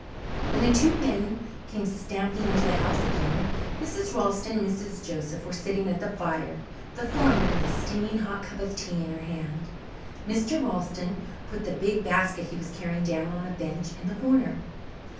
When the two men came stamping into the house again Mrs. Ralston and Mrs. Joseph were sitting at the fire, the former with a steaming hot cup of tea in her hand. Mr. Ralston put the big basket he was carrying down on a bench in the corner.